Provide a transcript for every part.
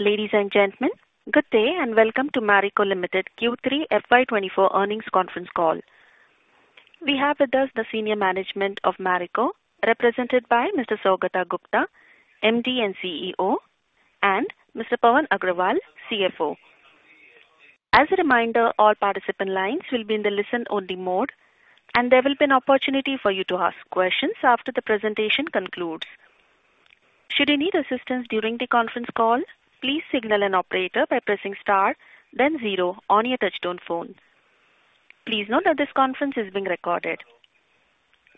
Ladies and gentlemen, good day and welcome to Marico Limited Q3 FY24 earnings conference call. We have with us the senior management of Marico, represented by Mr. Saugata Gupta, MD and CEO, and Mr. Pawan Agrawal, CFO. As a reminder, all participant lines will be in the listen-only mode and there will be an opportunity for you to ask questions after the presentation concludes. Should you need assistance during the conference call, please signal an operator by pressing star, then zero on your touch-tone phone. Please note that this conference is being recorded.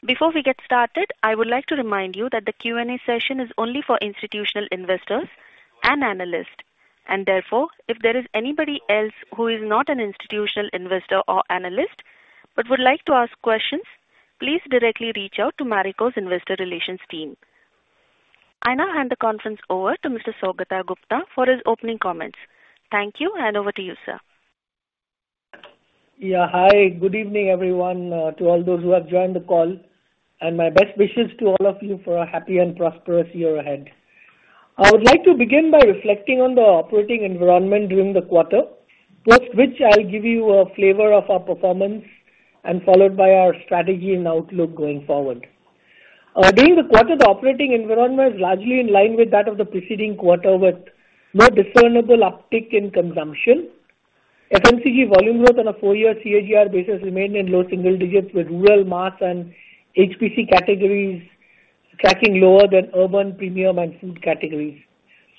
Before we get started, I would like to remind you that the Q&A session is only for institutional investors and analysts, and therefore if there is anybody else who is not an institutional investor or analyst but would like to ask questions, please directly reach out to Marico's investor relations team. I now hand the conference over to Mr. Saugata Gupta for his opening comments. Thank you and over to you, sir. Yeah, hi. Good evening, everyone, to all those who have joined the call, and my best wishes to all of you for a happy and prosperous year ahead. I would like to begin by reflecting on the operating environment during the quarter, post which I'll give you a flavor of our performance and followed by our strategy and outlook going forward. During the quarter, the operating environment is largely in line with that of the preceding quarter with no discernible uptick in consumption. FMCG volume growth on a four-year CAGR basis remained in low single digits with rural mass and HPC categories tracking lower than urban premium and food categories.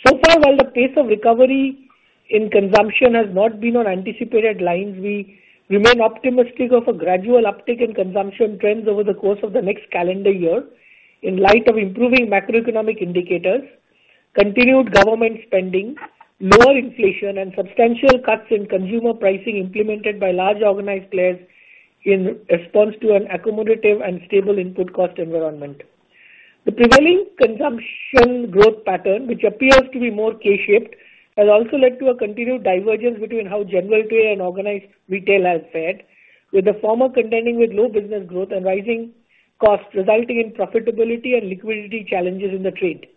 So far, while the pace of recovery in consumption has not been on anticipated lines, we remain optimistic of a gradual uptick in consumption trends over the course of the next calendar year in light of improving macroeconomic indicators, continued government spending, lower inflation, and substantial cuts in consumer pricing implemented by large organized players in response to an accommodative and stable input cost environment. The prevailing consumption growth pattern, which appears to be more K-shaped, has also led to a continued divergence between how general trade and organized retail has fared, with the former contending with low business growth and rising costs resulting in profitability and liquidity challenges in the trade.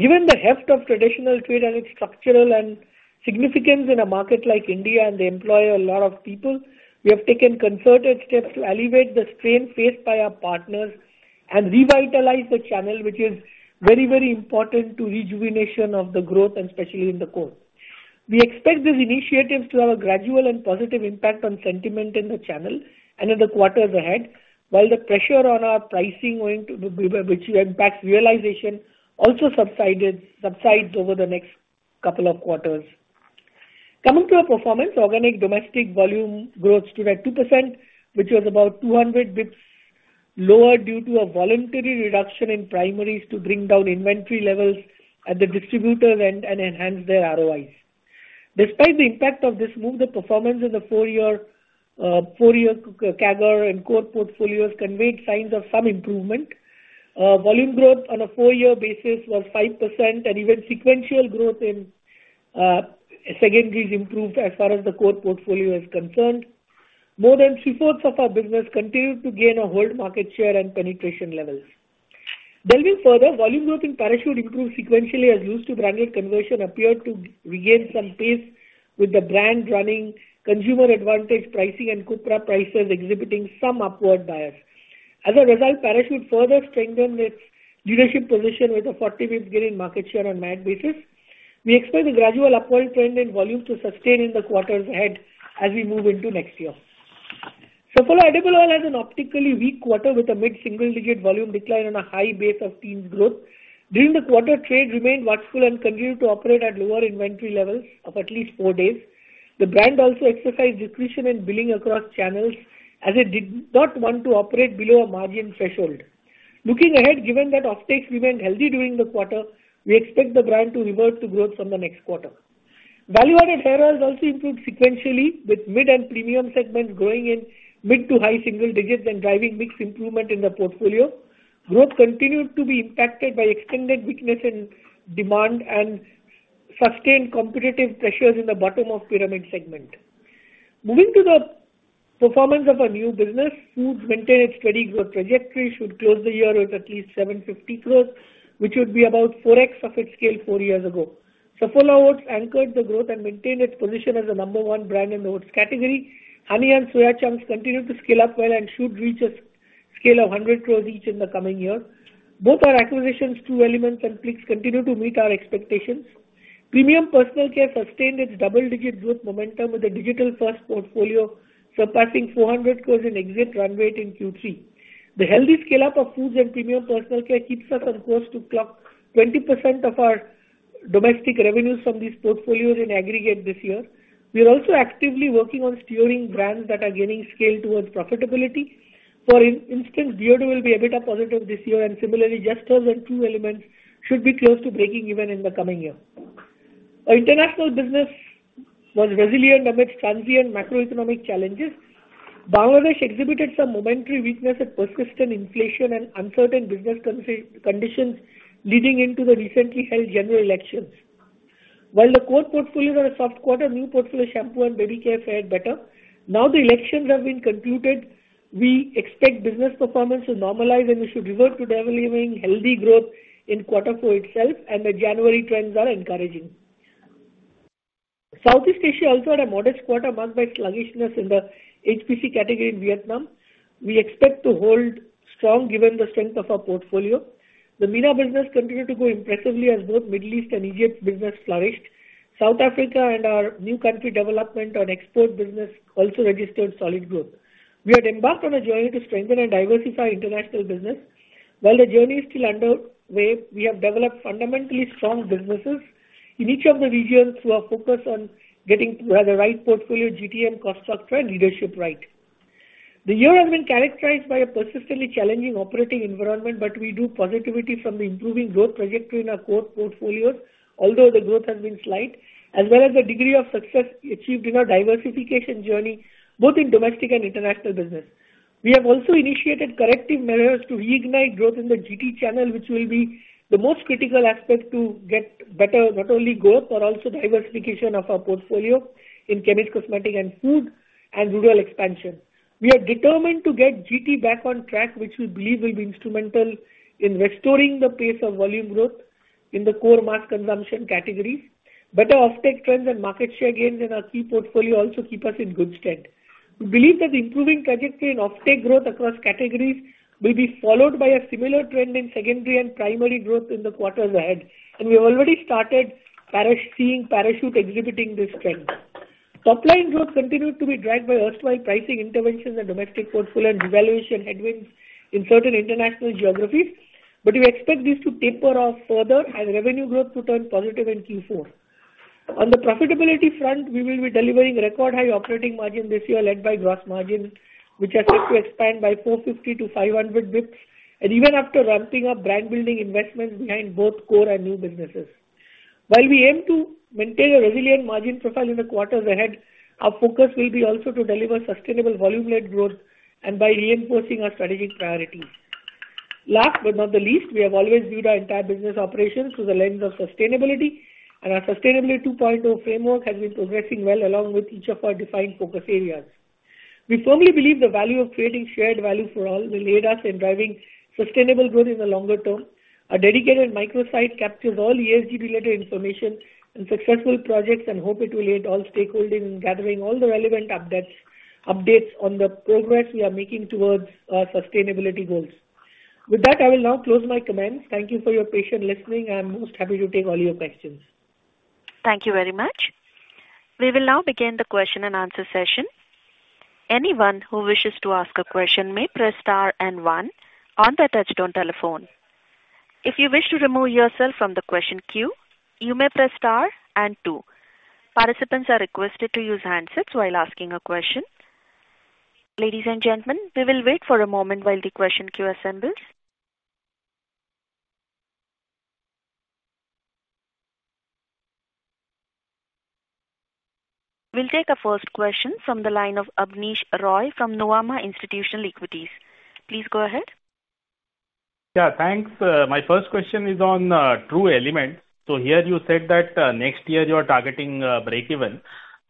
Given the heft of traditional trade and its structural significance in a market like India and they employ a lot of people, we have taken concerted steps to alleviate the strain faced by our partners and revitalize the channel, which is very, very important to rejuvenation of the growth, and especially in the core. We expect these initiatives to have a gradual and positive impact on sentiment in the channel and in the quarters ahead, while the pressure on our pricing, which impacts realization, also subsides over the next couple of quarters. Coming to our performance, organic domestic volume growth stood at 2%, which was about 200 basis points lower due to a voluntary reduction in primaries to bring down inventory levels at the distributors and enhance their ROIs. Despite the impact of this move, the performance in the four-year CAGR and core portfolios conveyed signs of some improvement. Volume growth on a 4-year basis was 5%, and even sequential growth in secondaries improved as far as the core portfolio is concerned. More than three-fourths of our business continued to gain or hold market share and penetration levels. Delving further, volume growth in Parachute improved sequentially as loose-to-branded conversion appeared to regain some pace, with the brand running consumer-advantage pricing and copra prices exhibiting some upward bias. As a result, Parachute further strengthened its leadership position with a 40 basis points gain in market share on MAT basis. We expect the gradual upward trend in volume to sustain in the quarters ahead as we move into next year. So far, Edible Oil has an optically weak quarter with a mid-single-digit volume decline on a high base of teens growth. During the quarter, trade remained watchful and continued to operate at lower inventory levels of at least 4 days. The brand also exercised destocking in billing across channels as it did not want to operate below a margin threshold. Looking ahead, given that off-takes remained healthy during the quarter, we expect the brand to revert to growth from the next quarter. Value-added hair oils also improved sequentially, with mid and premium segments growing in mid- to high-single digits and driving mixed improvement in the portfolio. Growth continued to be impacted by extended weakness in demand and sustained competitive pressures in the bottom of pyramid segment. Moving to the performance of our new business, foods maintained its steady growth trajectory, should close the year with at least 750 crore, which would be about 4x of its scale four years ago. So far, our oats anchored the growth and maintained its position as the number one brand in the oats category. Honey and soya chunks continued to scale up well and should reach a scale of 100 crore each in the coming year. Both our acquisitions, True Elements and Plix, continue to meet our expectations. Premium Personal Care sustained its double-digit growth momentum with a digital-first portfolio surpassing 400 crore in exit run rate in Q3. The healthy scale-up of foods and Premium Personal Care keeps us on course to clock 20% of our domestic revenues from these portfolios in aggregate this year. We are also actively working on steering brands that are gaining scale towards profitability. For instance, Beardo will be EBITDA positive this year, and similarly, Just Herbs and True Elements should be close to breaking even in the coming year. Our international business was resilient amidst transient macroeconomic challenges. Bangladesh exhibited some momentary weakness at persistent inflation and uncertain business conditions leading into the recently held general elections. While the core portfolio had a soft quarter, new portfolio shampoo and baby care fared better. Now the elections have been concluded. We expect business performance to normalize, and we should revert to delivering healthy growth in quarter four itself, and the January trends are encouraging. Southeast Asia also had a modest quarter marked by sluggishness in the HPC category in Vietnam. We expect to hold strong given the strength of our portfolio. The MENA business continued to grow impressively as both Middle East and Egypt business flourished. South Africa and our new country development on export business also registered solid growth. We had embarked on a journey to strengthen and diversify international business. While the journey is still underway, we have developed fundamentally strong businesses in each of the regions through our focus on getting the right portfolio GTM, cost structure, and leadership right. The year has been characterized by a persistently challenging operating environment, but we drew positivity from the improving growth trajectory in our core portfolios, although the growth has been slight, as well as the degree of success achieved in our diversification journey both in domestic and international business. We have also initiated corrective measures to reignite growth in the GT channel, which will be the most critical aspect to get better not only growth but also diversification of our portfolio in chemists, cosmetics, and food, and rural expansion. We are determined to get GT back on track, which we believe will be instrumental in restoring the pace of volume growth in the core mass consumption categories. Better off-take trends and market share gains in our key portfolio also keep us in good stead. We believe that the improving trajectory in off-take growth across categories will be followed by a similar trend in secondary and primary growth in the quarters ahead, and we have already started seeing Parachute exhibiting this trend. Top-line growth continued to be dragged by erstwhile pricing interventions in the domestic portfolio and devaluation headwinds in certain international geographies, but we expect these to taper off further and revenue growth to turn positive in Q4. On the profitability front, we will be delivering record high operating margin this year led by gross margin, which expects to expand by 450-500 basis points and even after ramping up brand-building investments behind both core and new businesses. While we aim to maintain a resilient margin profile in the quarters ahead, our focus will be also to deliver sustainable volume-led growth and by reinforcing our strategic priorities. Last but not the least, we have always viewed our entire business operations through the lens of sustainability, and our Sustainability 2.0 framework has been progressing well along with each of our defined focus areas. We firmly believe the value of creating shared value for all will aid us in driving sustainable growth in the longer term. Our dedicated microsite captures all ESG-related information and successful projects and hope it will aid all stakeholders in gathering all the relevant updates on the progress we are making towards our sustainability goals. With that, I will now close my comments. Thank you for your patient listening. I am most happy to take all your questions. Thank you very much. We will now begin the question-and-answer session. Anyone who wishes to ask a question may press star and one on the touch-tone telephone. If you wish to remove yourself from the question queue, you may press star and two. Participants are requested to use handsets while asking a question. Ladies and gentlemen, we will wait for a moment while the question queue assembles. We'll take a first question from the line of Abneesh Roy from Nuvama Institutional Equities. Please go ahead. Yeah, thanks. My first question is on True Elements. So here you said that next year you are targeting break-even.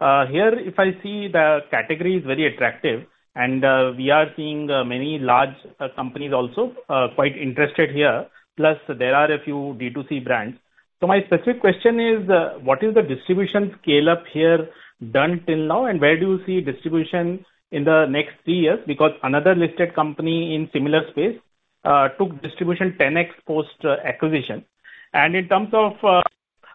Here, if I see the category is very attractive, and we are seeing many large companies also quite interested here, plus there are a few D2C brands. So my specific question is, what is the distribution scale-up here done till now, and where do you see distribution in the next three years? Because another listed company in a similar space took distribution 10X post-acquisition. And in terms of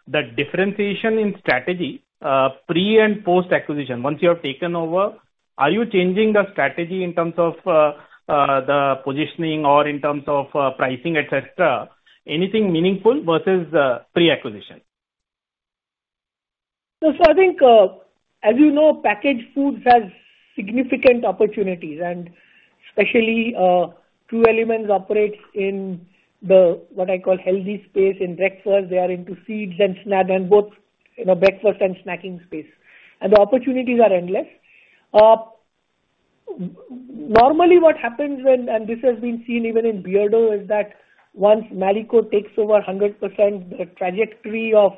the differentiation in strategy, pre and post-acquisition, once you have taken over, are you changing the strategy in terms of the positioning or in terms of pricing, etc., anything meaningful versus pre-acquisition? Yes, I think as you know, packaged foods have significant opportunities, and especially True Elements operates in what I call healthy space. In breakfast, they are into seeds and snack and both breakfast and snacking space, and the opportunities are endless. Normally, what happens when and this has been seen even in Beardo is that once Marico takes over 100%, the trajectory of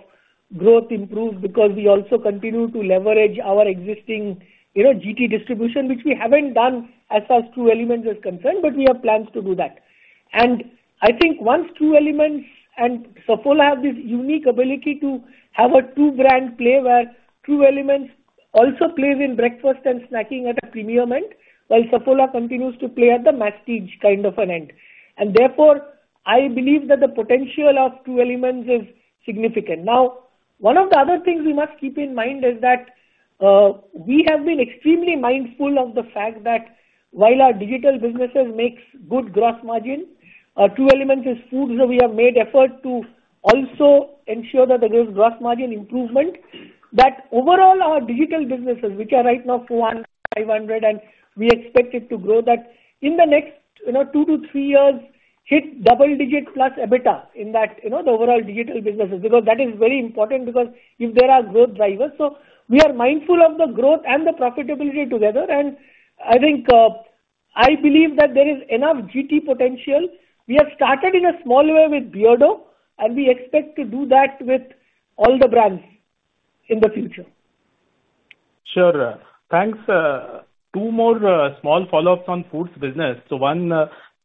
growth improves because we also continue to leverage our existing GT distribution, which we haven't done as far as True Elements is concerned, but we have plans to do that. I think once True Elements and Saffola have this unique ability to have a two-brand play where True Elements also plays in breakfast and snacking at a premium end, while Saffola continues to play at the masstige kind of an end. Therefore, I believe that the potential of True Elements is significant. Now, one of the other things we must keep in mind is that we have been extremely mindful of the fact that while our digital businesses make good gross margin, True Elements is foods that we have made effort to also ensure that there is gross margin improvement, that overall, our digital businesses, which are right now 400-500, and we expect it to grow, that in the next two-three years, hit double-digit+ EBITDA in the overall digital businesses because that is very important because if there are growth drivers. So we are mindful of the growth and the profitability together, and I believe that there is enough GT potential. We have started in a small way with Beardo, and we expect to do that with all the brands in the future. Sure. Thanks. Two more small follow-ups on foods business. So one,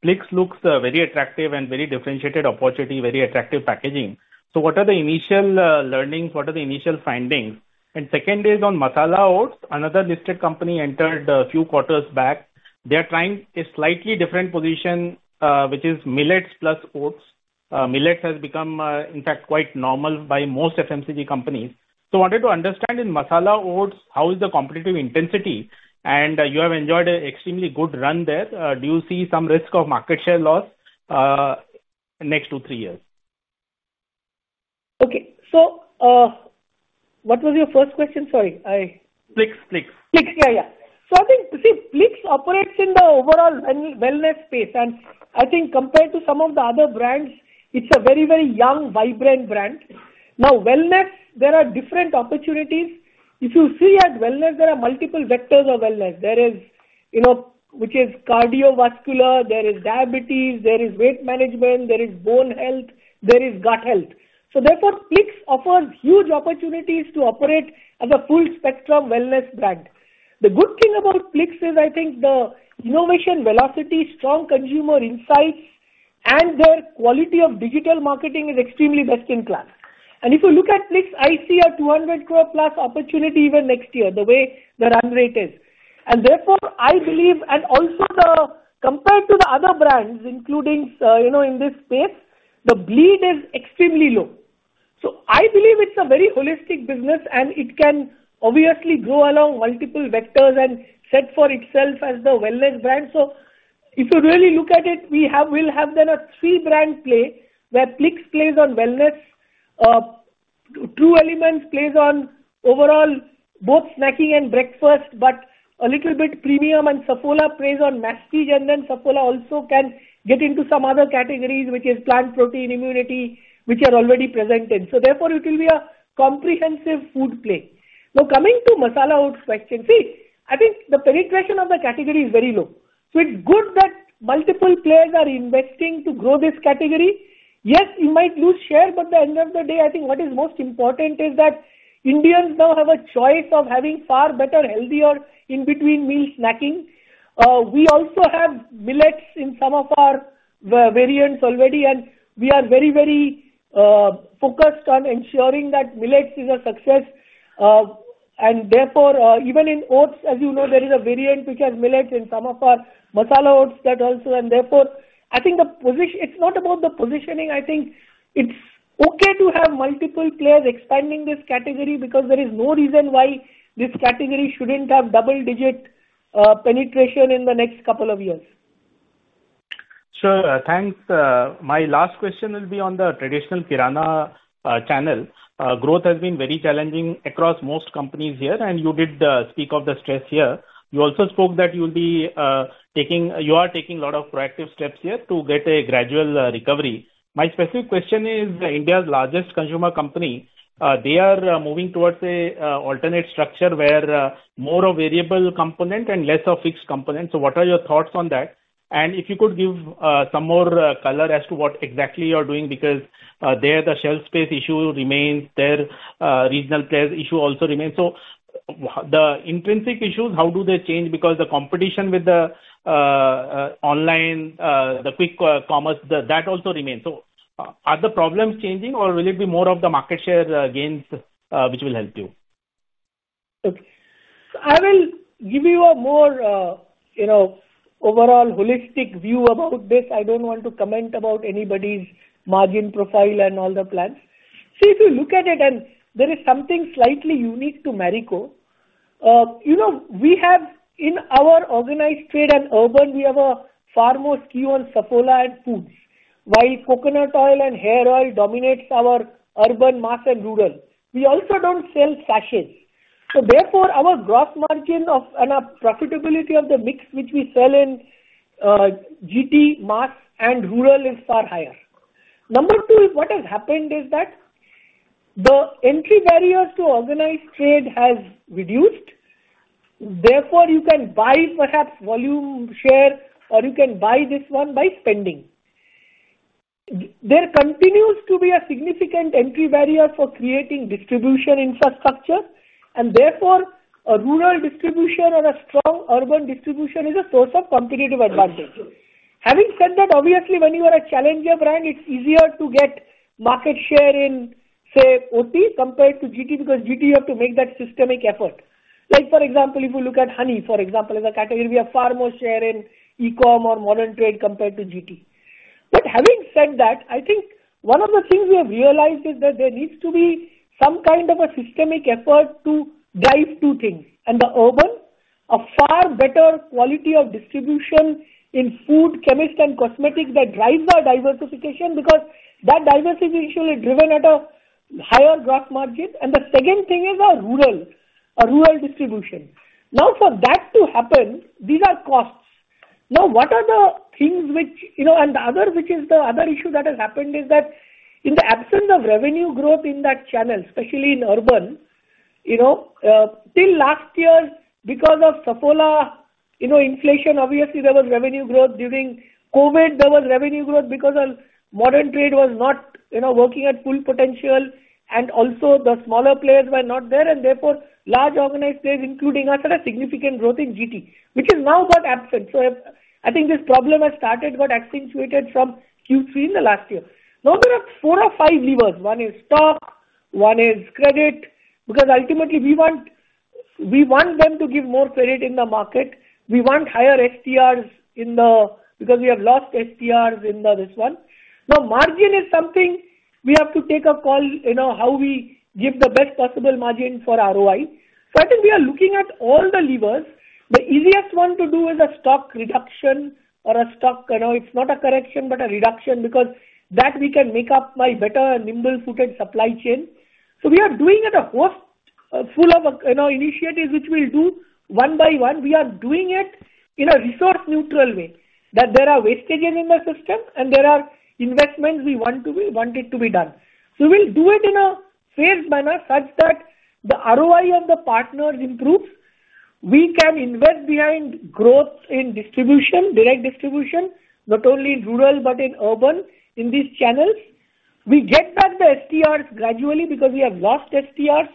Plix looks very attractive and very differentiated opportunity, very attractive packaging. So what are the initial learnings? What are the initial findings? And second is on Masala oats. Another listed company entered a few quarters back. They are trying a slightly different position, which is millets plus oats. Millets has become, in fact, quite normal by most FMCG companies. So I wanted to understand in Masala oats, how is the competitive intensity? And you have enjoyed an extremely good run there. Do you see some risk of market share loss next two-three years? Okay. So what was your first question? Sorry. Plix, Plix. Plix, yeah, yeah. So I think, see, Plix operates in the overall wellness space, and I think compared to some of the other brands, it's a very, very young, vibrant brand. Now, wellness, there are different opportunities. If you see at wellness, there are multiple vectors of wellness. There is, which is cardiovascular. There is diabetes. There is weight management. There is bone health. There is gut health. So therefore, Plix offers huge opportunities to operate as a full-spectrum wellness brand. The good thing about Plix is, I think, the innovation velocity, strong consumer insights, and their quality of digital marketing is extremely best-in-class. And if you look at Plix, I see an 200 crore+ opportunity even next year, the way the run rate is. And therefore, I believe and also compared to the other brands, including in this space, the bleed is extremely low. So I believe it's a very holistic business, and it can obviously grow along multiple vectors and set for itself as the wellness brand. So if you really look at it, we will have then a three-brand play where Plix plays on wellness. True Elements plays on overall both snacking and breakfast, but a little bit premium, and Saffola plays on masstige, and then Saffola also can get into some other categories, which is plant protein immunity, which are already present in. So therefore, it will be a comprehensive food play. Now, coming to Masala oats question, see, I think the penetration of the category is very low. So it's good that multiple players are investing to grow this category. Yes, you might lose share, but at the end of the day, I think what is most important is that Indians now have a choice of having far better healthier in-between meal snacking. We also have millets in some of our variants already, and we are very, very focused on ensuring that millets is a success. Therefore, even in oats, as you know, there is a variant which has millets in some of our Masala oats that also. Therefore, I think it's not about the positioning. I think it's okay to have multiple players expanding this category because there is no reason why this category shouldn't have double-digit penetration in the next couple of years. Sure. Thanks. My last question will be on the traditional kirana channel. Growth has been very challenging across most companies here, and you did speak of the stress here. You also spoke that you are taking a lot of proactive steps here to get a gradual recovery. My specific question is, India's largest consumer company, they are moving towards an alternate structure where more of variable component and less of fixed component. So what are your thoughts on that? And if you could give some more color as to what exactly you are doing because there the shelf space issue remains. The regional players issue also remains. So the intrinsic issues, how do they change? Because the competition with the online, the quick commerce, that also remains. So are the problems changing, or will it be more of the market share gains which will help you? Okay. So I will give you a more overall holistic view about this. I don't want to comment about anybody's margin profile and all the plans. See, if you look at it, and there is something slightly unique to Marico. We have, in our organized trade and urban, we have a far more skew on Saffola and foods, while coconut oil and hair oil dominates our urban mass and rural. We also don't sell sachets. So therefore, our gross margin and our profitability of the mix which we sell in GT mass and rural is far higher. Number two, what has happened is that the entry barriers to organized trade have reduced. Therefore, you can buy perhaps volume share, or you can buy this one by spending. There continues to be a significant entry barrier for creating distribution infrastructure, and therefore, a rural distribution or a strong urban distribution is a source of competitive advantage. Having said that, obviously, when you are a challenger brand, it's easier to get market share in, say, OT compared to GT because GT, you have to make that systemic effort. For example, if you look at honey, for example, as a category, we have far more share in e-com or modern trade compared to GT. But having said that, I think one of the things we have realized is that there needs to be some kind of a systemic effort to drive two things: in the urban, a far better quality of distribution in food, chemistry, and cosmetics that drives our diversification because that diversification is driven at a higher gross margin. And the second thing is our rural distribution. Now, for that to happen, these are costs. Now, what are the things which and the other which is the other issue that has happened is that in the absence of revenue growth in that channel, especially in urban, till last year, because of Saffola inflation, obviously, there was revenue growth. During COVID, there was revenue growth because modern trade was not working at full potential, and also the smaller players were not there. And therefore, large organized players, including us, had a significant growth in GT, which is now got absent. So I think this problem has started, got accentuated from Q3 in the last year. Now, there are four or five levers. One is stock. One is credit because ultimately, we want them to give more credit in the market. We want higher STRs in the because we have lost STRs in this one. Now, margin is something we have to take a call how we give the best possible margin for ROI. So I think we are looking at all the levers. The easiest one to do is a stock reduction or a stock—it's not a correction, but a reduction because that we can make up by better nimble-footed supply chain. So we are doing a whole host of initiatives which we'll do one by one. We are doing it in a resource-neutral way that there are wastages in the system, and there are investments we want it to be done. So we'll do it in a phased manner such that the ROI of the partners improves. We can invest behind growth in distribution, direct distribution, not only in rural but in urban in these channels. We get back the STRs gradually because we have lost STRs,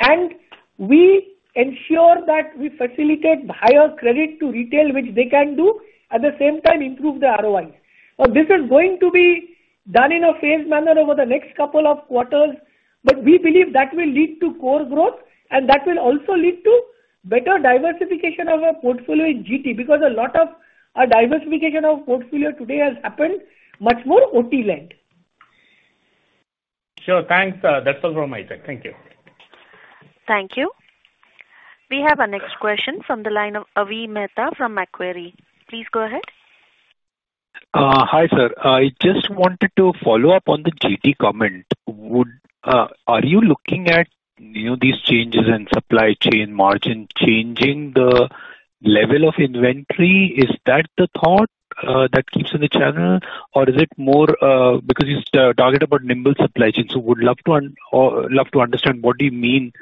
and we ensure that we facilitate higher credit to retail, which they can do, at the same time improve the ROI. Now, this is going to be done in a phased manner over the next couple of quarters, but we believe that will lead to core growth, and that will also lead to better diversification of our portfolio in GT because a lot of our diversification of portfolio today has happened much more OT-led. Sure. Thanks. That's all from my side. Thank you. Thank you. We have a next question from the line of Avi Mehta from Macquarie. Please go ahead. Hi, sir. I just wanted to follow up on the GT comment. Are you looking at these changes in supply chain, margin changing the level of inventory? Is that the thought that keeps in the channel, or is it more because you talked about nimble supply chain? So we'd love to understand what do you mean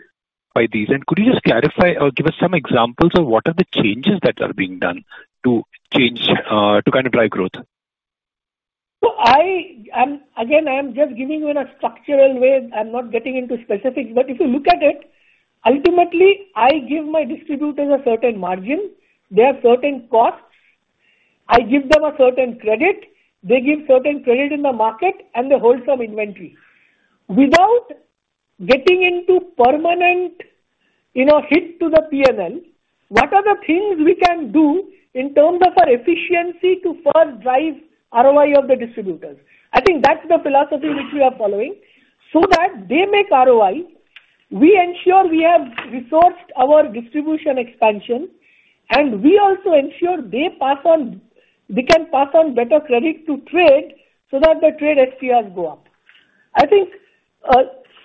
by these. And could you just clarify or give us some examples of what are the changes that are being done to kind of drive growth? So again, I am just giving you in a structured way. I'm not getting into specifics. But if you look at it, ultimately, I give my distributors a certain margin. They have certain costs. I give them a certain credit. They give certain credit in the market, and they hold some inventory. Without getting into permanent hit to the P&L, what are the things we can do in terms of our efficiency to first drive ROI of the distributors? I think that's the philosophy which we are following. So that they make ROI, we ensure we have resourced our distribution expansion, and we also ensure they can pass on better credit to trade so that the trade STRs go up.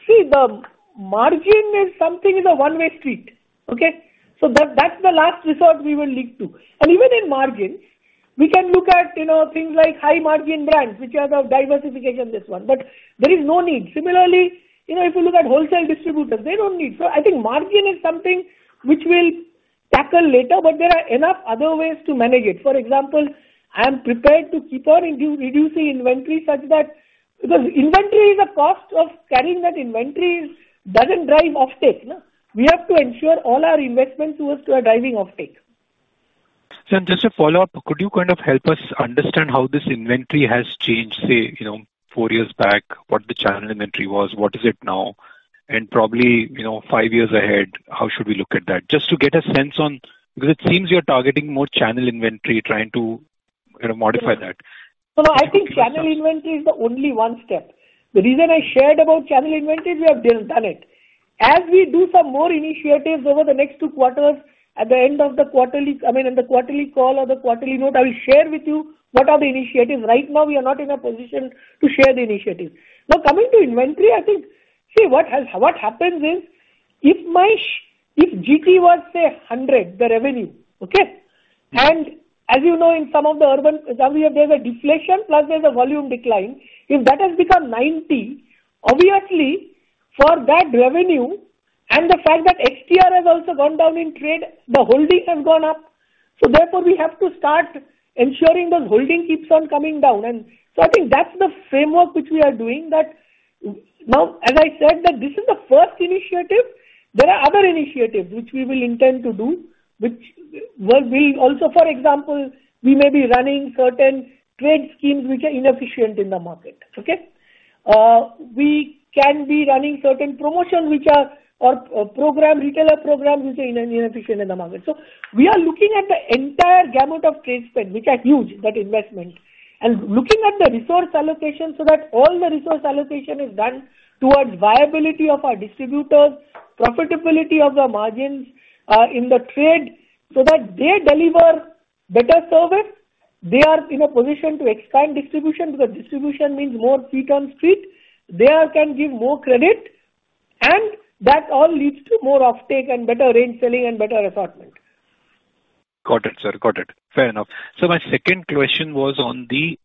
See, the margin is something is a one-way street, okay? So that's the last resort we will leap to. And even in margins, we can look at things like high-margin brands, which are the diversification, this one. But there is no need. Similarly, if you look at wholesale distributors, they don't need. So I think margin is something which we'll tackle later, but there are enough other ways to manage it. For example, I am prepared to keep on reducing inventory such that because inventory is a cost of carrying that inventory doesn't drive offtake. We have to ensure all our investments towards driving offtake. Sir, just a follow-up. Could you kind of help us understand how this inventory has changed, say, four years back, what the channel inventory was? What is it now? And probably five years ahead, how should we look at that? Just to get a sense on because it seems you're targeting more channel inventory, trying to modify that. So no, I think channel inventory is the only one step. The reason I shared about channel inventory, we have done it. As we do some more initiatives over the next two quarters, at the end of the quarterly I mean, in the quarterly call or the quarterly note, I will share with you what are the initiatives. Right now, we are not in a position to share the initiatives. Now, coming to inventory, I think, see, what happens is if GT was, say, 100, the revenue, okay? And as you know, in some of the urban there's a deflation, plus there's a volume decline. If that has become 90, obviously, for that revenue and the fact that STR has also gone down in trade, the holding has gone up. So therefore, we have to start ensuring those holding keeps on coming down. So I think that's the framework which we are doing that now, as I said, that this is the first initiative. There are other initiatives which we will intend to do, which will also for example, we may be running certain trade schemes which are inefficient in the market, okay? We can be running certain promotions which are or retailer programs which are inefficient in the market. So we are looking at the entire gamut of trade spend, which are huge, that investment, and looking at the resource allocation so that all the resource allocation is done towards viability of our distributors, profitability of the margins in the trade so that they deliver better service. They are in a position to expand distribution because distribution means more feet on street. They can give more credit, and that all leads to more offtake and better range selling and better assortment. Got it, sir. Got it. Fair enough. So my second question was on the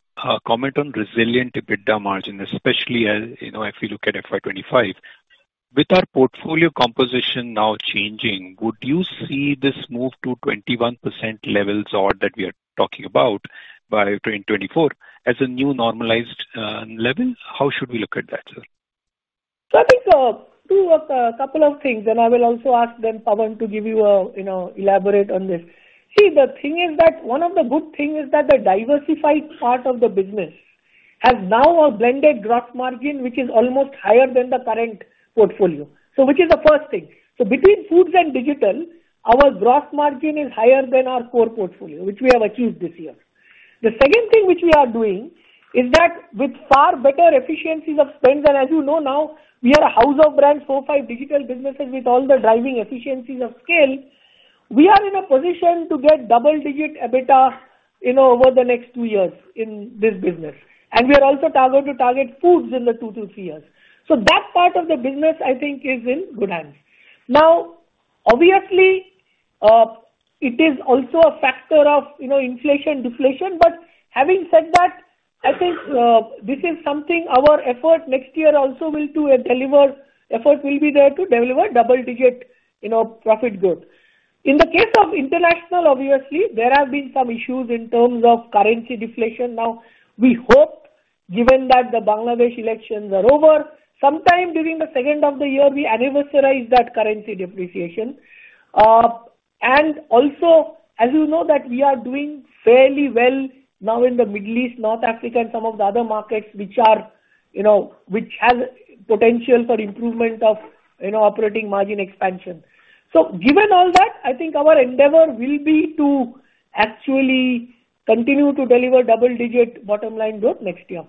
comment on resilient EBITDA margin, especially as if we look at FY25. With our portfolio composition now changing, would you see this move to 21% levels or that we are talking about by 2024 as a new normalized level? How should we look at that, sir? So I think two of a couple of things, and I will also ask then, Pawan, to give you elaborate on this. See, the thing is that one of the good things is that the diversified part of the business has now a blended gross margin which is almost higher than the current portfolio, which is the first thing. So between foods and digital, our gross margin is higher than our core portfolio, which we have achieved this year. The second thing which we are doing is that with far better efficiencies of spend and as you know now, we are a house of brands, four or five digital businesses with all the driving efficiencies of scale. We are in a position to get double-digit EBITDA over the next two years in this business. And we are also target to target foods in the two-three years. So that part of the business, I think, is in good hands. Now, obviously, it is also a factor of inflation, deflation. But having said that, I think this is something our effort next year also will deliver effort will be there to deliver double-digit profit growth. In the case of international, obviously, there have been some issues in terms of currency deflation. Now, we hope, given that the Bangladesh elections are over, sometime during the second of the year, we anniversarize that currency depreciation. And also, as you know, that we are doing fairly well now in the Middle East, North Africa, and some of the other markets which have potential for improvement of operating margin expansion. So given all that, I think our endeavor will be to actually continue to deliver double-digit bottom-line growth next year.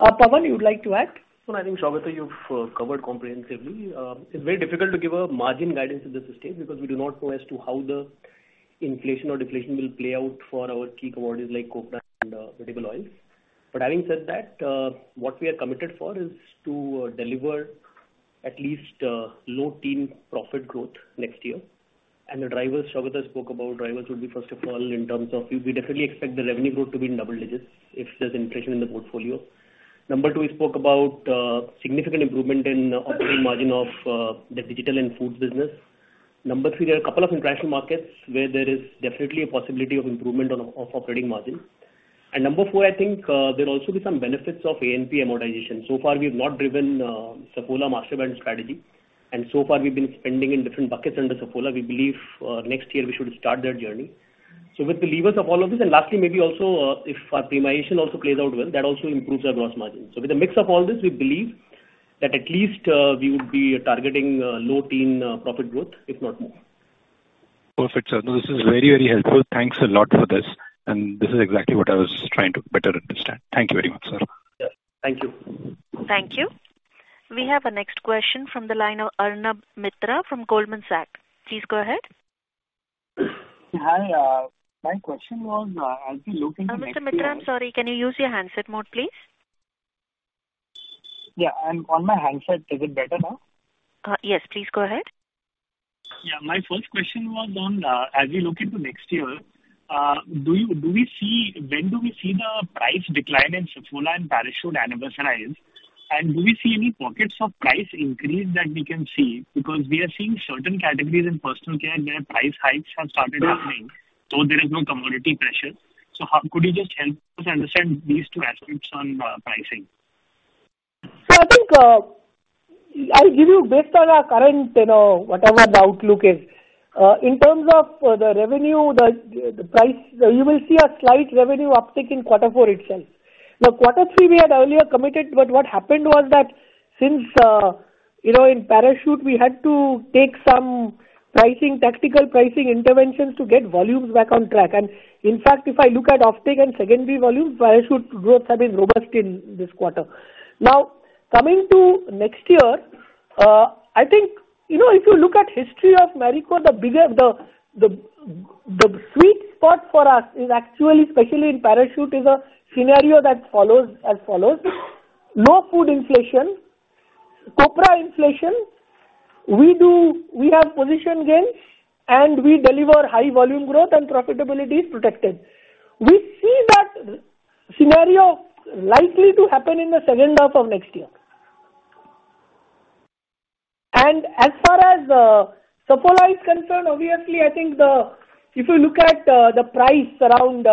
Pawan, you'd like to act? So I think, Saugata, you've covered comprehensively. It's very difficult to give a margin guidance in this state because we do not know as to how the inflation or deflation will play out for our key commodities like copra and edible oils. But having said that, what we are committed for is to deliver at least low-teens profit growth next year. And the drivers, Saugata spoke about, drivers would be, first of all, in terms of we definitely expect the revenue growth to be in double digits if there's inflation in the portfolio. Number two, he spoke about significant improvement in operating margin of the digital and foods business. Number three, there are a couple of international markets where there is definitely a possibility of improvement of operating margin. And number four, I think there will also be some benefits of A&P amortization. So far, we have not driven Saffola master brand strategy. So far, we've been spending in different buckets under Saffola. We believe next year, we should start that journey. With the levers of all of this and lastly, maybe also, if our premiumization also plays out well, that also improves our gross margin. With a mix of all this, we believe that at least we would be targeting low-teens profit growth, if not more. Perfect, sir. No, this is very, very helpful. Thanks a lot for this. And this is exactly what I was trying to better understand. Thank you very much, sir. Thank you. Thank you. We have a next question from the line of Arnab Mitra from Goldman Sachs. Please go ahead. Hi. My question was, as we look into next. Mr. Mitra, I'm sorry. Can you use your handset mode, please? Yeah. And on my handset, is it better now? Yes. Please go ahead. Yeah. My first question was on, as we look into next year, do we see when do we see the price decline in Saffola and Parachute anniversaries? And do we see any pockets of price increase that we can see? Because we are seeing certain categories in personal care where price hikes have started happening, so there is no commodity pressure. So could you just help us understand these two aspects on pricing? So I think I'll give you based on our current whatever the outlook is. In terms of the revenue, the price, you will see a slight revenue uptake in quarter four itself. Now, quarter three, we had earlier committed, but what happened was that since in Parachute, we had to take some tactical pricing interventions to get volumes back on track. And in fact, if I look at offtake and secondary volumes, Parachute growth has been robust in this quarter. Now, coming to next year, I think if you look at history of Marico, the sweet spot for us is actually, especially in Parachute, is a scenario that follows as follows: low food inflation, copra inflation. We have position gains, and we deliver high volume growth and profitability is protected. We see that scenario likely to happen in the second half of next year. As far as Saffola is concerned, obviously, I think if you look at the price around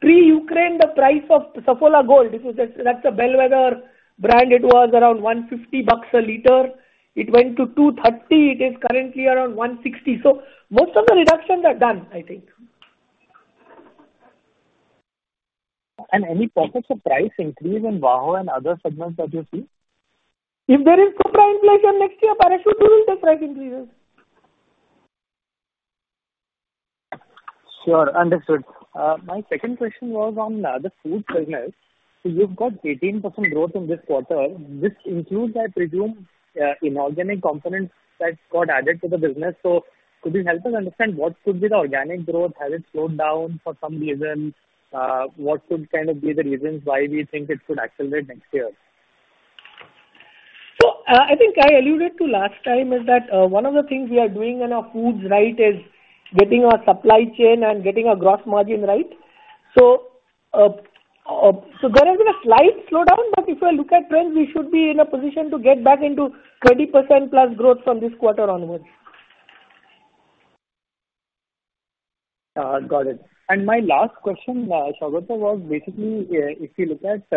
pre-Ukraine, the price of Saffola Gold, that's a bellwether brand. It was around INR 150 a liter. It went to 230. It is currently around 160. So most of the reductions are done, I think. Any pockets of price increase in hair oil and other segments that you see? If there is copra inflation next year, Parachute, who will take price increases? Sure. Understood. My second question was on the food business. You've got 18% growth in this quarter. This includes, I presume, inorganic components that got added to the business. Could you help us understand what could be the organic growth? Has it slowed down for some reason? What could kind of be the reasons why we think it could accelerate next year? So I think I alluded to last time is that one of the things we are doing in our foods right is getting our supply chain and getting our gross margin right. So there has been a slight slowdown, but if you look at trends, we should be in a position to get back into 20%+ growth from this quarter onward. Got it. And my last question, Saugata, was basically, if you look at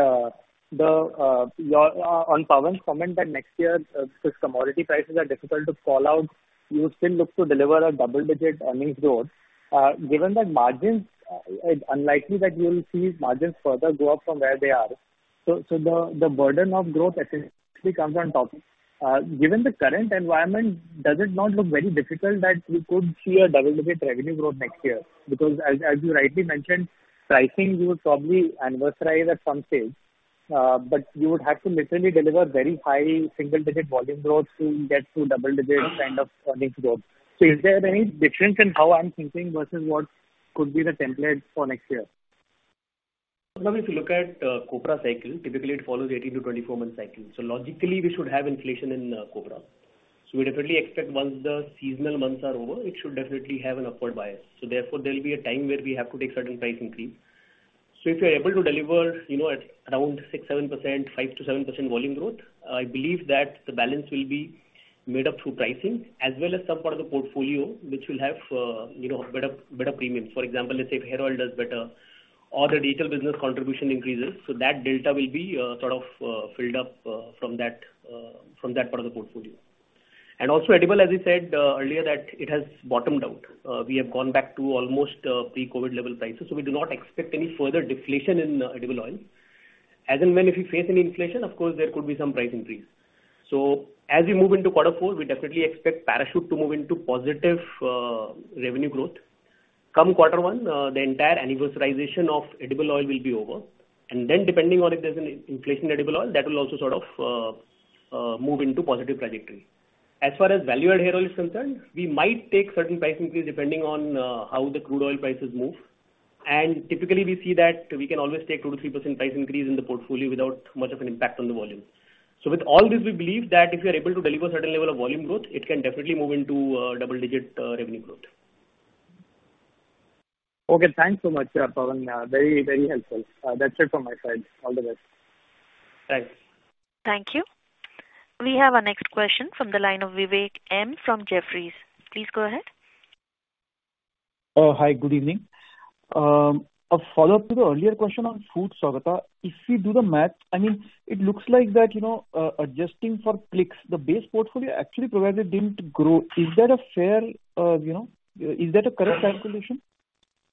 on Pawan's comment that next year, because commodity prices are difficult to call out, you still look to deliver a double-digit earnings growth. Given that margins, it's unlikely that you'll see margins further go up from where they are. So the burden of growth essentially comes on top. Given the current environment, does it not look very difficult that we could see a double-digit revenue growth next year? Because as you rightly mentioned, pricing, you would probably anniversarize at some stage, but you would have to literally deliver very high single-digit volume growth to get to double-digit kind of earnings growth. So is there any difference in how I'm thinking versus what could be the template for next year? If you look at copra cycle, typically, it follows 18-24-month cycle. So logically, we should have inflation in copra. So we definitely expect once the seasonal months are over, it should definitely have an upward bias. So therefore, there'll be a time where we have to take certain price increase. So if you're able to deliver around 6%-7%, 5%-7% volume growth, I believe that the balance will be made up through pricing as well as some part of the portfolio, which will have better premiums. For example, let's say Hair Oil does better or the digital business contribution increases. So that delta will be sort of filled up from that part of the portfolio. And also, edible, as you said earlier, that it has bottomed out. We have gone back to almost pre-COVID level prices. So we do not expect any further deflation in edible oil. As in, when if you face any inflation, of course, there could be some price increase. So as we move into quarter four, we definitely expect Parachute to move into positive revenue growth. Come quarter one, the entire anniversarization of edible oil will be over. And then, depending on if there's an inflation in edible oil, that will also sort of move into positive trajectory. As far as valued hair oil is concerned, we might take certain price increase depending on how the crude oil prices move. And typically, we see that we can always take 2%-3% price increase in the portfolio without much of an impact on the volume. So with all this, we believe that if you're able to deliver a certain level of volume growth, it can definitely move into double-digit revenue growth. Okay. Thanks so much, Pawan. Very, very helpful. That's it from my side. All the best. Thanks. Thank you. We have a next question from the line of Vivek M from Jefferies. Please go ahead. Hi. Good evening. A follow-up to the earlier question on food, Saugata, if we do the math, I mean, it looks like that adjusting for Plix, the base portfolio actually provided didn't grow. Is that a fair, is that a correct calculation?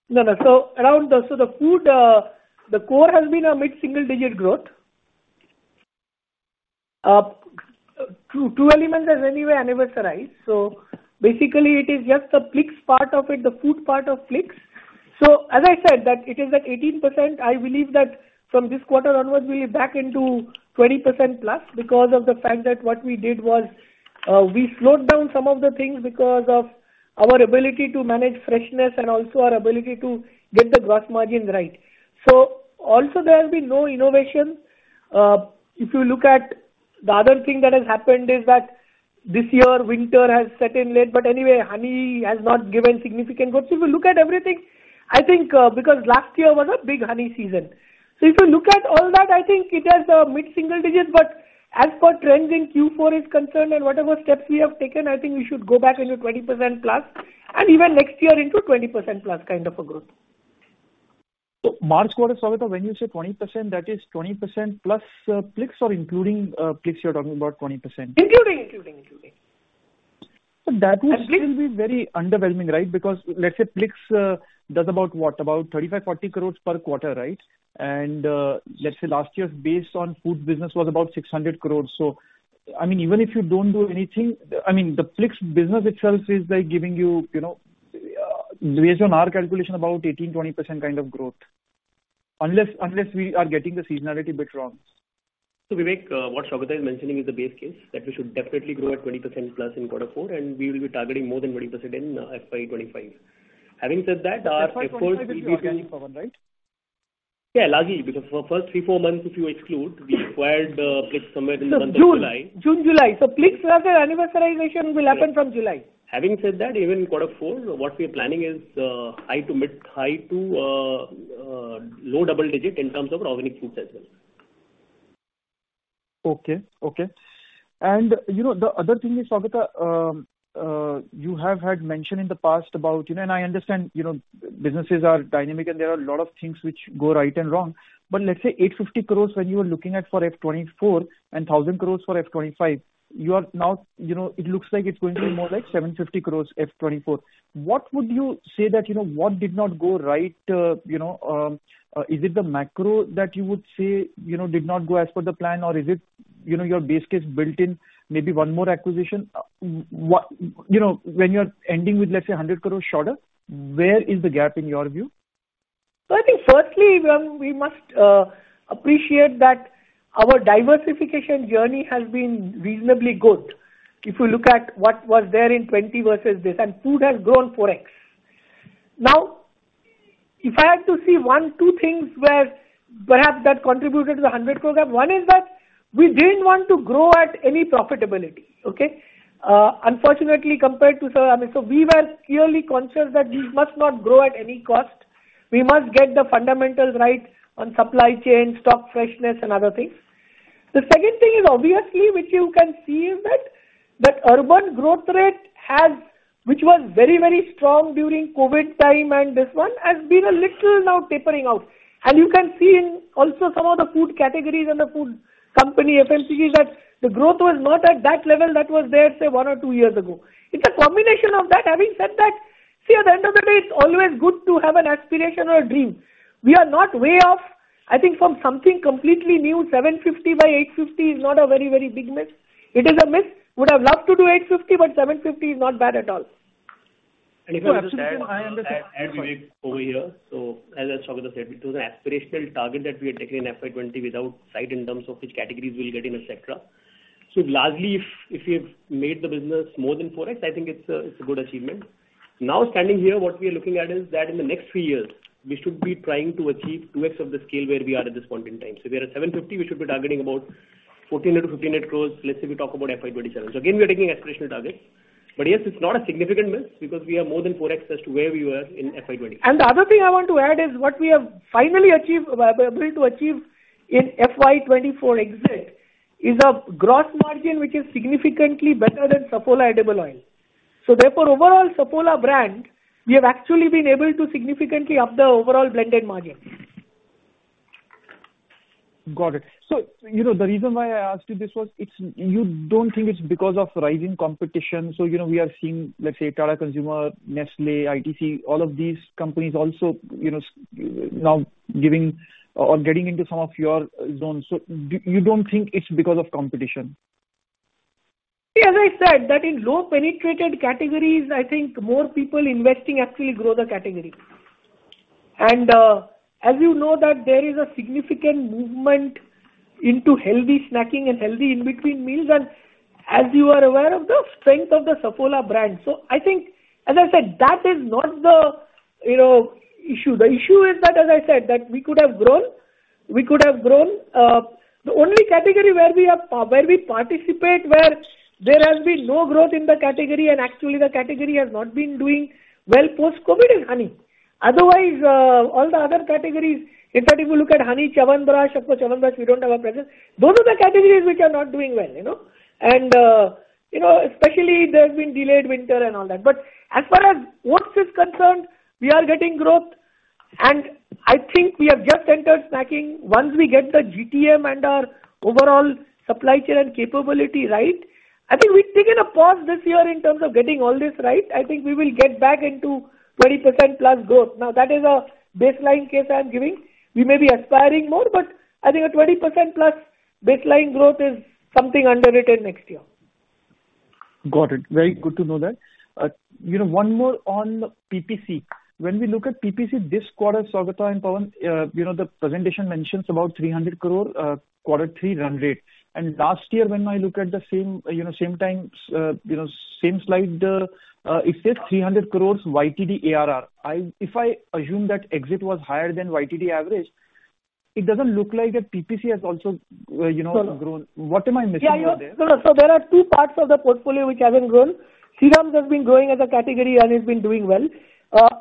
No, no. So around the food, the core has been a mid-single-digit growth. True Elements have anyway anniversaried. So basically, it is just the Plix part of it, the food part of Plix. So as I said, that it is that 18%, I believe that from this quarter onwards, we'll be back into 20%-plus because of the fact that what we did was we slowed down some of the things because of our ability to manage freshness and also our ability to get the gross margins right. So also, there has been no innovation. If you look at the other thing that has happened is that this year, winter has set in late. But anyway, honey has not given significant growth. If you look at everything, I think because last year was a big honey season. So if you look at all that, I think it has a mid-single-digit. But as for trends in Q4 is concerned and whatever steps we have taken, I think we should go back into 20%+ and even next year into 20%+ kind of a growth. March quarter, Saugata, when you say 20%, that is 20%-plus clicks or including clicks, you're talking about 20%? Including. So that would still be very underwhelming, right? Because let's say Plix does about what? About 35 crore-40 crore per quarter, right? And let's say last year's base on food business was about 600 crore. So I mean, even if you don't do anything, I mean, the Plix business itself is giving you, based on our calculation, about 18%-20% kind of growth unless we are getting the seasonality EBITDA wrong. So Vivek, what Saugata is mentioning is the base case that we should definitely grow at 20%+ in quarter four, and we will be targeting more than 20% in FY25. Having said that, our efforts will be to. That's what we're planning, Pawan, right? Yeah, largely because for the first three to four months, if you exclude, we acquired Plix somewhere in the month of July. June, July. So Plix as an anniversarization will happen from July. Having said that, even in quarter four, what we are planning is high to mid-high to low double-digit in terms of organic foods as well. Okay. Okay. And the other thing is, Saugata, you have had mentioned in the past about and I understand businesses are dynamic, and there are a lot of things which go right and wrong. But let's say 850 crores when you were looking at for FY24 and 1,000 crores for FY25, it looks like it's going to be more like 750 crores FY24. What would you say that what did not go right? Is it the macro that you would say did not go as per the plan, or is it your base case built in maybe one more acquisition? When you're ending with, let's say, 100 crores shorter, where is the gap in your view? So I think, firstly, we must appreciate that our diversification journey has been reasonably good. If you look at what was there in 2020 versus this, and food has grown 4x. Now, if I had to see one, two things where perhaps that contributed to the 100 crore, one is that we didn't want to grow at any profitability, okay? Unfortunately, compared to I mean, so we were clearly conscious that we must not grow at any cost. We must get the fundamentals right on supply chain, stock freshness, and other things. The second thing is, obviously, which you can see is that the urban growth rate, which was very, very strong during COVID time and this one, has been a little now tapering out. You can see also some of the food categories and the food company, FMCGs, that the growth was not at that level that was there, say, one or two years ago. It's a combination of that. Having said that, see, at the end of the day, it's always good to have an aspiration or a dream. We are not way off, I think, from something completely new. 750 by 850 is not a very, very big miss. It is a miss. Would have loved to do 850, but 750 is not bad at all. If I understand, I understand. I'll add Vivek over here. So as Saugata said, it was an aspirational target that we had taken in FY20 without sight in terms of which categories we'll get in, etc. So largely, if we have made the business more than 4X, I think it's a good achievement. Now, standing here, what we are looking at is that in the next three years, we should be trying to achieve 2X of the scale where we are at this point in time. So if we are at 750 crores, we should be targeting about 1,400 crores-1,500 crores, let's say we talk about FY27. So again, we are taking aspirational targets. But yes, it's not a significant miss because we are more than 4X as to where we were in FY20. The other thing I want to add is what we have finally been able to achieve in FY2024 exit is a gross margin which is significantly better than Saffola edible oil. Therefore, overall, Saffola brand, we have actually been able to significantly up the overall blended margin. Got it. So the reason why I asked you this was you don't think it's because of rising competition? So we are seeing, let's say, Tata Consumer, Nestlé, ITC, all of these companies also now getting into some of your zone. So you don't think it's because of competition? Yeah. As I said, that in low-penetrated categories, I think more people investing actually grow the category. And as you know that there is a significant movement into healthy snacking and healthy in-between meals, and as you are aware of the strength of the Saffola brand. So I think, as I said, that is not the issue. The issue is that, as I said, that we could have grown. We could have grown. The only category where we participate, where there has been no growth in the category and actually the category has not been doing well post-COVID, is honey. Otherwise, all the other categories, in fact, if you look at honey, Chyawanprash, of course, Chyawanprash, we don't have a presence. Those are the categories which are not doing well. And especially, there has been delayed winter and all that. As far as oats is concerned, we are getting growth. I think we have just entered snacking. Once we get the GTM and our overall supply chain and capability right, I think we've taken a pause this year in terms of getting all this right. I think we will get back into 20%+ growth. Now, that is a baseline case I'm giving. We may be aspiring more, but I think a 20%+ baseline growth is something underrated next year. Got it. Very good to know that. One more on PPC. When we look at PPC this quarter, Saugata and Pawan, the presentation mentions about 300 crore quarter three run rate. Last year, when I look at the same time, same slide, it says 300 crores YTD ARR. If I assume that exit was higher than YTD average, it doesn't look like that PPC has also grown. What am I missing over there? So there are two parts of the portfolio which haven't grown. Serums has been growing as a category, and it's been doing well.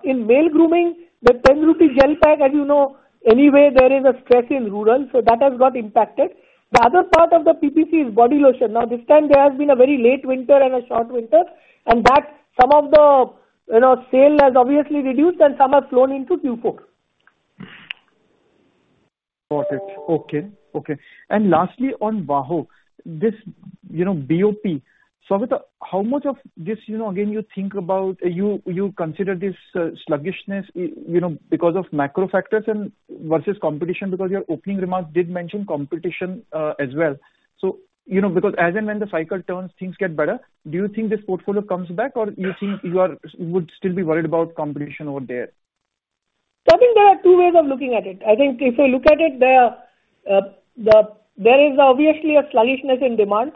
In male grooming, the INR 10 gel pack, as you know, anyway, there is a stress in rural. So that has got impacted. The other part of the PPC is body lotion. Now, this time, there has been a very late winter and a short winter, and some of the sale has obviously reduced, and some have flown into Q4. Got it. Okay. Okay. And lastly, on hair oil, this BOP, shampoo, how much of this, again, do you think or do you consider this sluggishness because of macro factors versus competition because your opening remarks did mention competition as well? So because as in when the cycle turns, things get better, do you think this portfolio comes back, or do you think you would still be worried about competition over there? So I think there are two ways of looking at it. I think if you look at it, there is obviously a sluggishness in demand.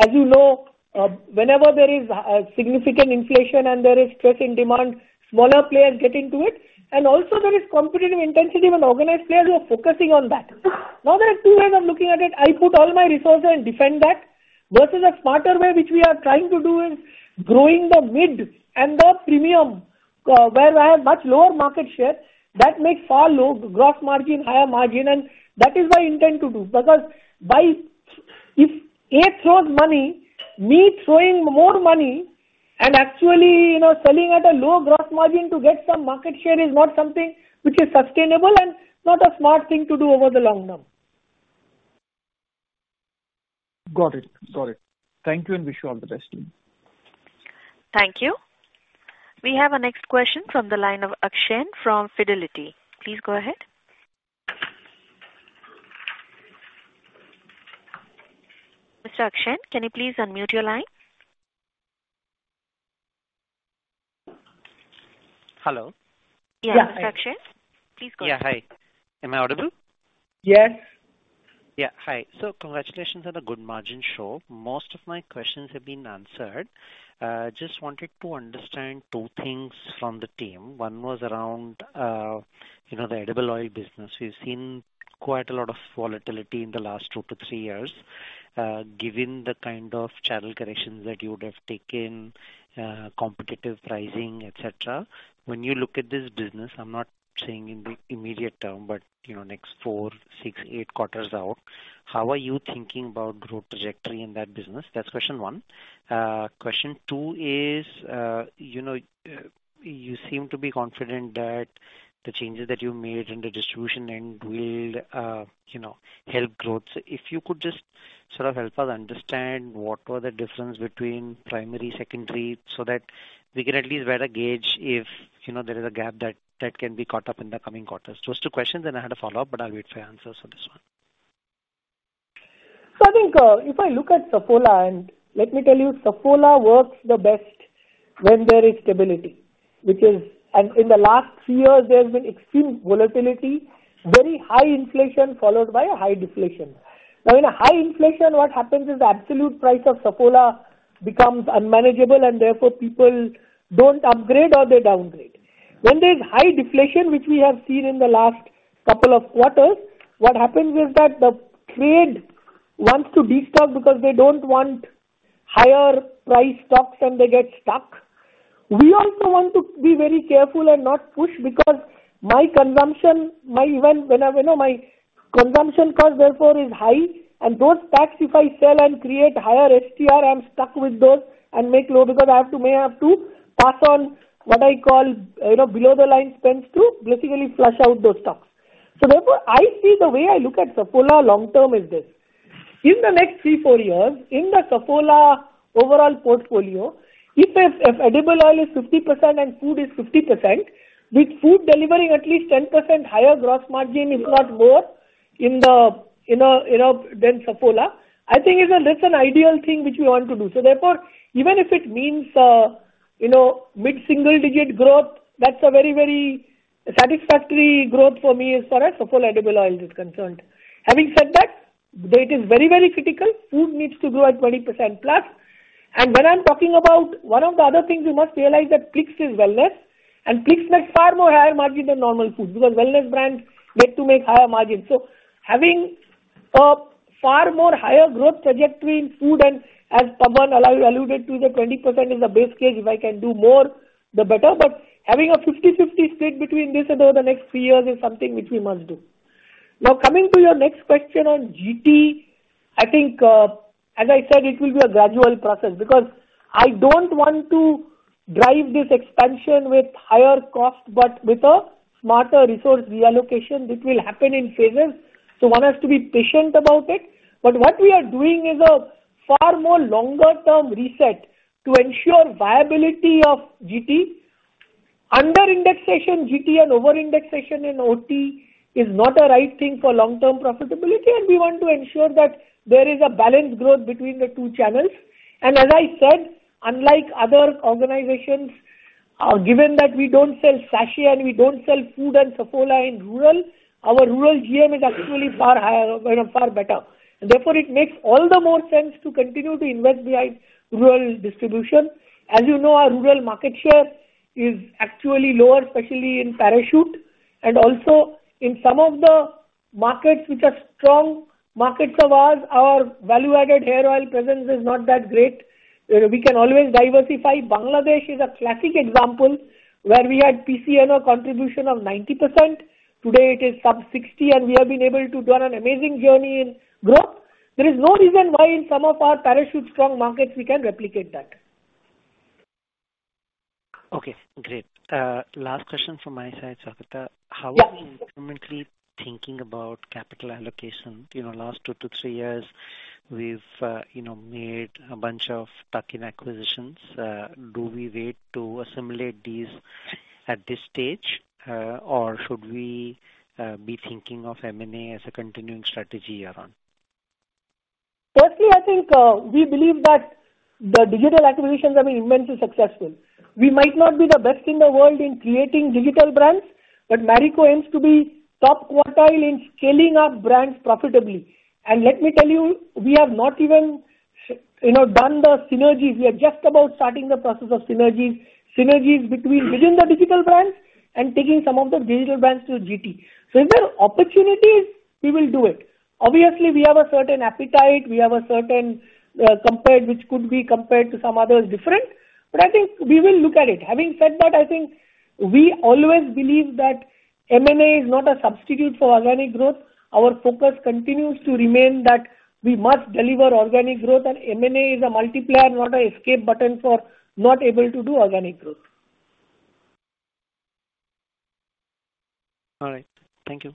As you know, whenever there is significant inflation and there is stress in demand, smaller players get into it. And also, there is competitive intensity when organized players are focusing on that. Now, there are two ways of looking at it. I put all my resources and defend that versus a smarter way, which we are trying to do, is growing the mid and the premium where I have much lower market share. That makes far low gross margin, higher margin. That is my intent to do because if A throws money, me throwing more money and actually selling at a low gross margin to get some market share is not something which is sustainable and not a smart thing to do over the long term. Got it. Got it. Thank you, and wish you all the best. Thank you. We have a next question from the line of Akshen from Fidelity. Please go ahead. Mr. Akshen, can you please unmute your line? Hello. Yeah, Mr. Akshen? Please go ahead. Yeah. Hi. Am I audible? Yes. Yeah. Hi. So congratulations on a good margin show. Most of my questions have been answered. Just wanted to understand two things from the team. One was around the edible oil business. We've seen quite a lot of volatility in the last two-three years given the kind of channel corrections that you would have taken, competitive pricing, etc. When you look at this business, I'm not saying in the immediate term, but next four, six, eight quarters out, how are you thinking about growth trajectory in that business? That's question one. Question two is you seem to be confident that the changes that you made in the distribution end will help growth. If you could just sort of help us understand what were the difference between primary, secondary so that we can at least better gauge if there is a gap that can be caught up in the coming quarters? Those two questions, and I had a follow-up, but I'll wait for answers for this one. So I think if I look at Saffola and let me tell you, Saffola works the best when there is stability, which is and in the last three years, there has been extreme volatility, very high inflation followed by a high deflation. Now, in a high inflation, what happens is the absolute price of Saffola becomes unmanageable, and therefore, people don't upgrade or they downgrade. When there's high deflation, which we have seen in the last couple of quarters, what happens is that the trade wants to destock because they don't want higher-priced stocks, and they get stuck. We also want to be very careful and not push because when my consumption cost, therefore, is high. And those taxes, if I sell and create higher STR, I'm stuck with those and make low because I have to may have to pass on what I call below-the-line spends to basically flush out those stocks. So therefore, I see the way I look at Saffola long-term is this. In the next three, four years, in the Saffola overall portfolio, if edible oil is 50% and food is 50%, with food delivering at least 10% higher gross margin, if not more, than Saffola, I think that's an ideal thing which we want to do. So therefore, even if it means mid-single-digit growth, that's a very, very satisfactory growth for me as far as Saffola edible oil is concerned. Having said that, it is very, very critical. Food needs to grow at 20%+. When I'm talking about one of the other things, you must realize that Plix is wellness, and Plix makes far more higher margin than normal food because wellness brands get to make higher margins. So having a far more higher growth trajectory in food and as Pawan alluded to, the 20% is the base case. If I can do more, the better. But having a 50/50 split between this and over the next three years is something which we must do. Now, coming to your next question on GT, I think, as I said, it will be a gradual process because I don't want to drive this expansion with higher cost but with a smarter resource reallocation. It will happen in phases. So one has to be patient about it. But what we are doing is a far more longer-term reset to ensure viability of GT. Under-indexation in GT and over-indexation in OT is not a right thing for long-term profitability, and we want to ensure that there is a balanced growth between the two channels. As I said, unlike other organizations, given that we don't sell sachet and we don't sell food and Saffola in rural, our rural GM is actually far better. Therefore, it makes all the more sense to continue to invest behind rural distribution. As you know, our rural market share is actually lower, especially in Parachute. Also, in some of the markets which are strong markets of ours, our value-added hair oil presence is not that great. We can always diversify. Bangladesh is a classic example where we had PCNO a contribution of 90%. Today, it is sub-60%, and we have been able to do an amazing journey in growth. There is no reason why in some of our Parachute-strong markets, we can't replicate that. Okay. Great. Last question from my side, Saugata. How are you currently thinking about capital allocation? Last two-three years, we've made a bunch of tuck-in acquisitions. Do we wait to assimilate these at this stage, or should we be thinking of M&A as a continuing strategy year-on? Firstly, I think we believe that the digital acquisitions have been immensely successful. We might not be the best in the world in creating digital brands, but Marico aims to be top-quartile in scaling up brands profitably. And let me tell you, we have not even done the synergies. We are just about starting the process of synergies within the digital brands and taking some of the digital brands to GT. So if there are opportunities, we will do it. Obviously, we have a certain appetite. We have a certain which could be compared to some others different. But I think we will look at it. Having said that, I think we always believe that M&A is not a substitute for organic growth. Our focus continues to remain that we must deliver organic growth, and M&A is a multiplier, not an escape button for not able to do organic growth. All right. Thank you.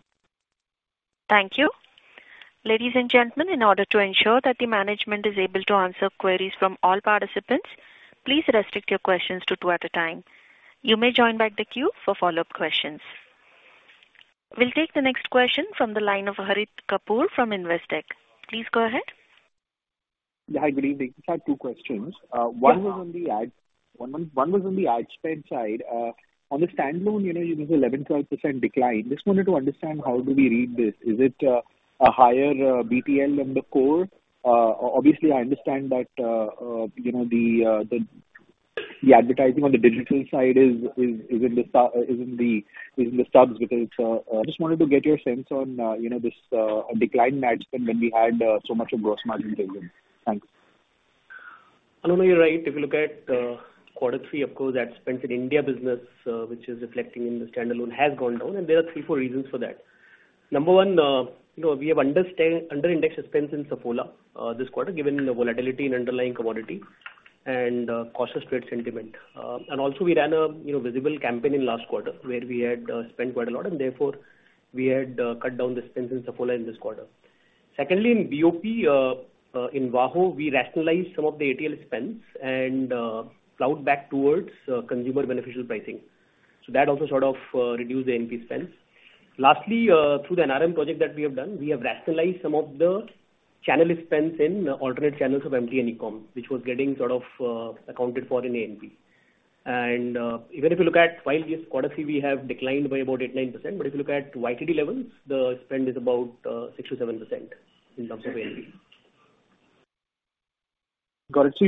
Thank you. Ladies and gentlemen, in order to ensure that the management is able to answer queries from all participants, please restrict your questions to two at a time. You may join back the queue for follow-up questions. We'll take the next question from the line of Harit Kapoor from Investec. Please go ahead. Hi. Good evening. I have two questions. One was on the ad one was on the ad spend side. On the standalone, you get an 11%-12% decline. Just wanted to understand, how do we read this? Is it a higher BTL in the core? Obviously, I understand that the advertising on the digital side is in the subs because it's a. Just wanted to get your sense on this decline in ad spend when we had so much of gross margin tailwind. Thanks. Harit, you're right. If you look at quarter three, of course, ad spend in India business, which is reflecting in the standalone, has gone down. There are three, four reasons for that. Number one, we have under-indexed spends in Saffola this quarter given the volatility in underlying commodity and cautious trade sentiment. And also, we ran a visible campaign in last quarter where we had spent quite a lot, and therefore, we had cut down the spends in Saffola in this quarter. Secondly, in BOP, in Parachute, we rationalized some of the ATL spends and plowed back towards consumer-beneficial pricing. So that also sort of reduced the A&P spends. Lastly, through the NRM project that we have done, we have rationalized some of the channel spends in alternate channels of MT and ECOM, which was getting sort of accounted for in A&P. Even if you look at while this quarter three, we have declined by about 8-9%, but if you look at YTD levels, the spend is about 6%-7% in terms of A&P. Got it. So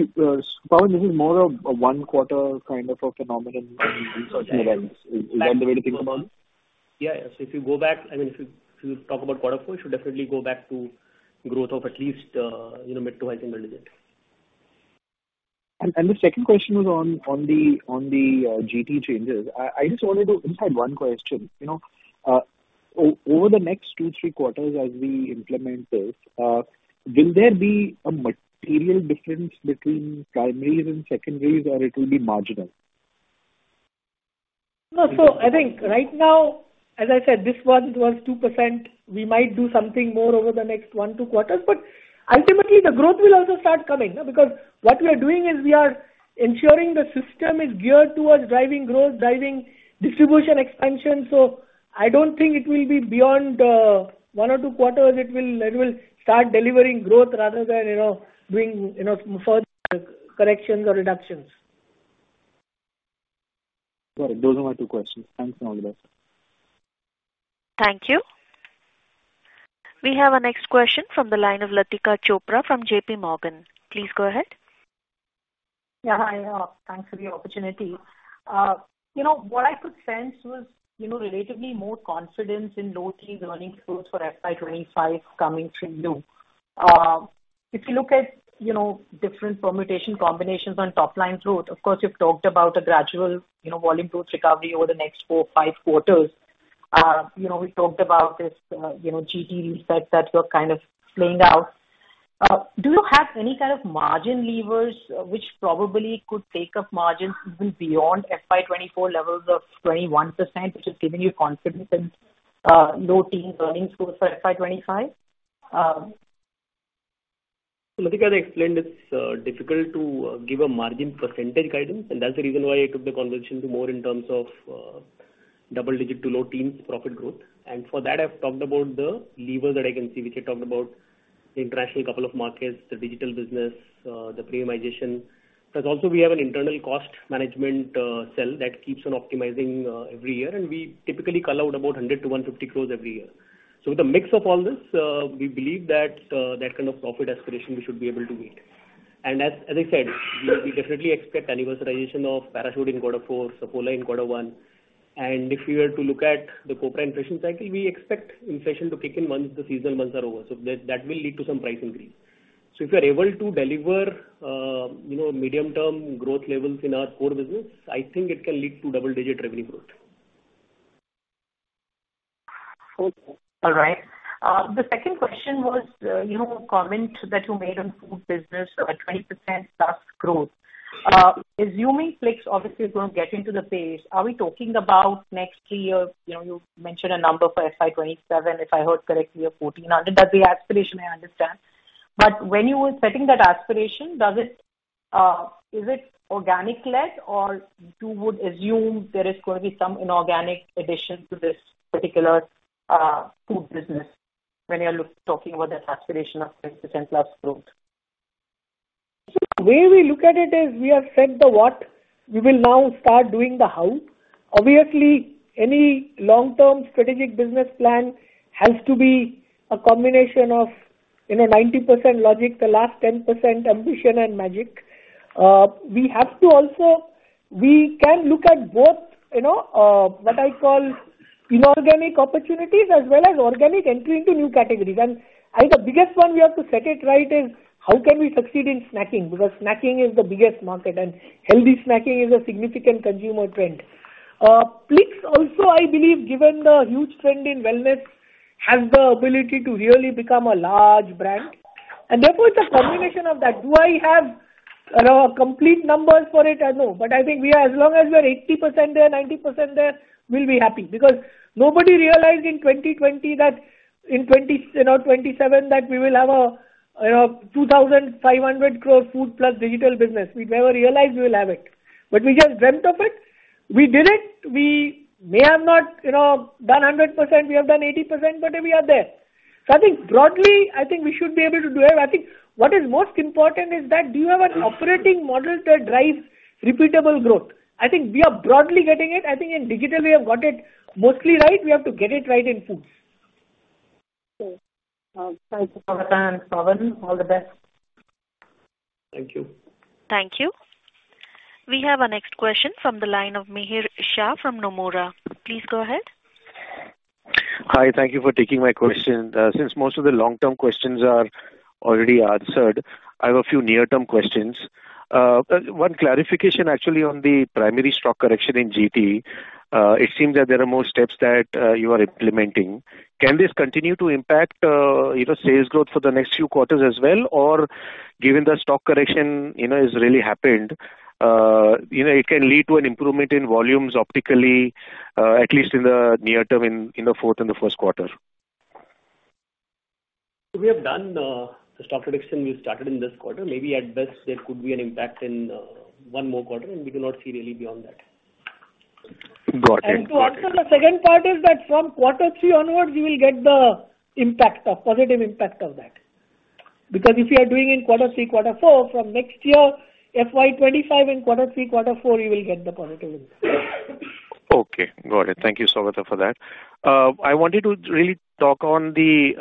Pawan, this is more of a one-quarter kind of a phenomenon in research and events. Is that the way to think about it? Yeah. Yeah. So if you go back I mean, if you talk about quarter four, you should definitely go back to growth of at least mid- to high-single-digit. The second question was on the GT changes. I just wanted to add one question. Over the next 2-3 quarters, as we implement this, will there be a material difference between primaries and secondaries, or it will be marginal? No. So I think right now, as I said, this one was 2%. We might do something more over the next one or two quarters. But ultimately, the growth will also start coming because what we are doing is we are ensuring the system is geared towards driving growth, driving distribution expansion. So I don't think it will be beyond one or two quarters. It will start delivering growth rather than doing further corrections or reductions. Got it. Those are my two questions. Thanks and all the best. Thank you. We have a next question from the line of Latika Chopra from JP Morgan. Please go ahead. Yeah. Hi. Thanks for the opportunity. What I could sense was relatively more confidence in low-teens earnings growth for FY25 coming through you. If you look at different permutation combinations on top-line growth, of course, you've talked about a gradual volume growth recovery over the next four, five quarters. We talked about this GT reset that you're kind of playing out. Do you have any kind of margin levers which probably could take up margins even beyond FY24 levels of 21%, which has given you confidence in low-teens earnings growth for FY25? So Latika had explained it's difficult to give a margin percentage guidance, and that's the reason why I took the conversation to more in terms of double-digit to low-teens profit growth. And for that, I've talked about the levers that I can see, which I talked about: the international couple of markets, the digital business, the premiumization. Plus, also, we have an internal cost management cell that keeps on optimizing every year, and we typically call out about 100-150 crore every year. So with a mix of all this, we believe that kind of profit aspiration we should be able to meet. And as I said, we definitely expect anniversarization of Parachute in quarter four, Saffola in quarter one. And if we were to look at the Copra inflation cycle, we expect inflation to kick in once the seasonal months are over. That will lead to some price increase. If you're able to deliver medium-term growth levels in our core business, I think it can lead to double-digit revenue growth. Okay. All right. The second question was a comment that you made on food business, 20%-plus growth. Assuming Plix obviously is going to get into the pace, are we talking about next three years? You mentioned a number for FY27, if I heard correctly, of 1,400. That's the aspiration, I understand. But when you were setting that aspiration, is it organic-led, or you would assume there is going to be some inorganic addition to this particular food business when you're talking about that aspiration of 20%-plus growth? The way we look at it is we have set the what. We will now start doing the how. Obviously, any long-term strategic business plan has to be a combination of 90% logic, the last 10% ambition, and magic. We have to also, we can look at both what I call inorganic opportunities as well as organic entry into new categories. I think the biggest one we have to set it right is how can we succeed in snacking because snacking is the biggest market, and healthy snacking is a significant consumer trend. Plix also, I believe, given the huge trend in wellness, has the ability to really become a large brand. Therefore, it's a combination of that. Do I have complete numbers for it? No. But I think as long as we are 80% there, 90% there, we'll be happy because nobody realized in 2020 that in 2027, that we will have a 2,500 crore food-plus digital business. We never realized we will have it. But we just dreamt of it. We did it. We may have not done 100%. We have done 80%, but we are there. So I think broadly, I think we should be able to do it. I think what is most important is that do you have an operating model that drives repeatable growth? I think we are broadly getting it. I think in digital, we have got it mostly right. We have to get it right in food. Okay. Thanks, Saugata. And Pawan, all the best. Thank you. Thank you. We have a next question from the line of Mihir Shah from Nomura. Please go ahead. Hi. Thank you for taking my question. Since most of the long-term questions are already answered, I have a few near-term questions. One clarification, actually, on the primary stock correction in GT. It seems that there are more steps that you are implementing. Can this continue to impact sales growth for the next few quarters as well, or given the stock correction has really happened, it can lead to an improvement in volumes optically, at least in the near term, in the fourth and the first quarter? We have done the stock correction. We started in this quarter. Maybe at best, there could be an impact in one more quarter, and we do not see really beyond that. Got it. To answer the second part is that from quarter three onwards, you will get the positive impact of that because if you are doing in quarter three, quarter four, from next year, FY25 in quarter three, quarter four, you will get the positive impact. Okay. Got it. Thank you, Saugata, for that. I wanted to really talk on the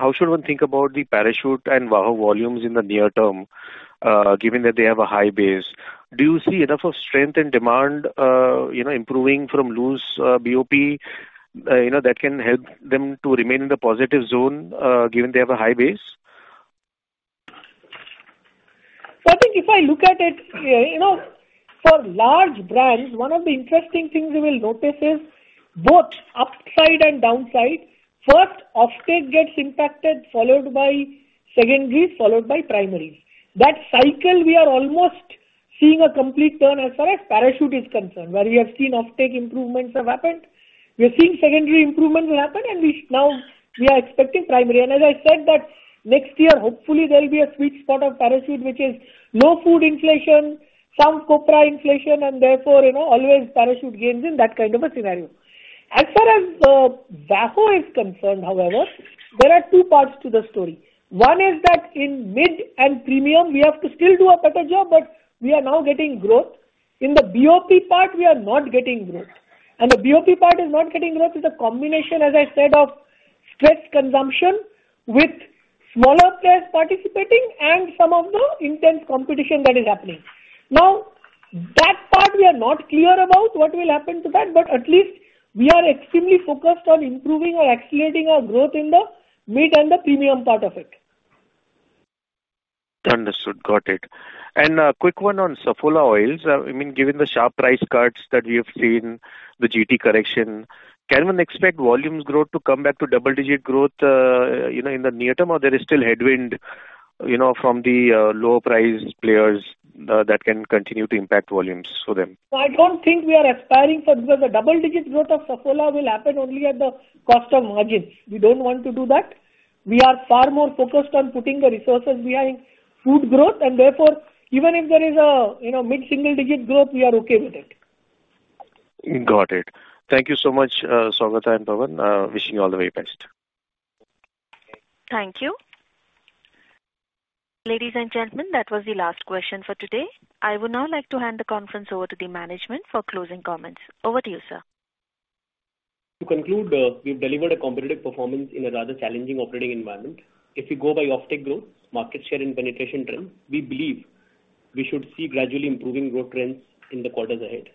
how should one think about the Parachute and Hair & Care volumes in the near term given that they have a high base? Do you see enough of strength and demand improving from loose BOP that can help them to remain in the positive zone given they have a high base? So I think if I look at it for large brands, one of the interesting things you will notice is both upside and downside. First, offtake gets impacted, followed by secondaries, followed by primaries. That cycle, we are almost seeing a complete turn as far as Parachute is concerned where we have seen offtake improvements have happened. We are seeing secondary improvements happen, and now we are expecting primary. And as I said, that next year, hopefully, there'll be a sweet spot of Parachute, which is low food inflation, some copra inflation, and therefore, always Parachute gains in that kind of a scenario. As far as Saffola is concerned, however, there are two parts to the story. One is that in mid and premium, we have to still do a better job, but we are now getting growth. In the BOP part, we are not getting growth. The BOP part is not getting growth. It's a combination, as I said, of stressed consumption with smaller players participating and some of the intense competition that is happening. Now, that part, we are not clear about what will happen to that, but at least we are extremely focused on improving or accelerating our growth in the mid and the premium part of it. Understood. Got it. And a quick one on Saffola oils. I mean, given the sharp price cuts that we have seen, the GT correction, can one expect volumes growth to come back to double-digit growth in the near term, or there is still headwind from the lower-priced players that can continue to impact volumes for them? So I don't think we are aspiring for because the double-digit growth of Saffola will happen only at the cost of margins. We don't want to do that. We are far more focused on putting the resources behind food growth. And therefore, even if there is a mid-single-digit growth, we are okay with it. Got it. Thank you so much, Saugata and Pawan. Wishing you all the very best. Thank you. Ladies and gentlemen, that was the last question for today. I would now like to hand the conference over to the management for closing comments. Over to you, sir. To conclude, we've delivered a competitive performance in a rather challenging operating environment. If we go by offtake growth, market share, and penetration trend, we believe we should see gradually improving growth trends in the quarters ahead.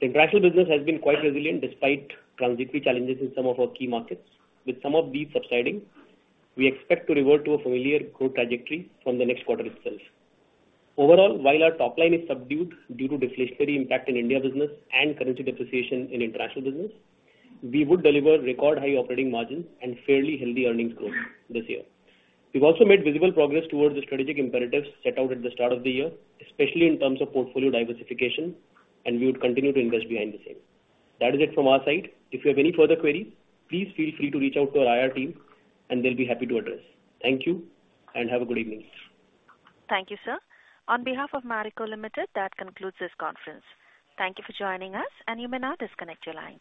The international business has been quite resilient despite transitory challenges in some of our key markets. With some of these subsiding, we expect to revert to a familiar growth trajectory from the next quarter itself. Overall, while our top-line is subdued due to deflationary impact in India business and currency depreciation in international business, we would deliver record high operating margins and fairly healthy earnings growth this year. We've also made visible progress towards the strategic imperatives set out at the start of the year, especially in terms of portfolio diversification, and we would continue to invest behind the scenes. That is it from our side. If you have any further queries, please feel free to reach out to our IR team, and they'll be happy to address. Thank you, and have a good evening. Thank you, sir. On behalf of Marico Limited, that concludes this conference. Thank you for joining us, and you may now disconnect your lines.